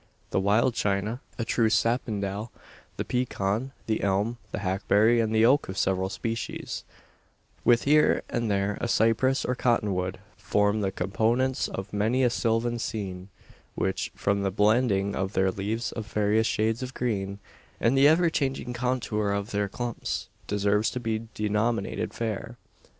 The "wild China" a true sapindal the pecan, the elm, the hackberry, and the oak of several species with here and there a cypress or Cottonwood form the components of many a sylvan scene, which, from the blending of their leaves of various shades of green, and the ever changing contour of their clumps, deserves to be denominated fair.